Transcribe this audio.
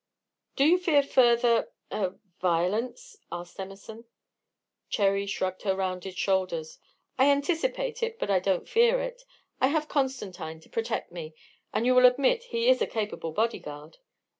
"Do you fear further er violence?" asked Emerson. Cherry shrugged her rounded shoulders. "I anticipate it, but I don't fear it. I have Constantine to protect me, and you will admit he is a capable bodyguard."